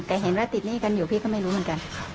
แต่เห็นว่าติดหนี้กันอยู่พี่ก็ไม่รู้เหมือนกัน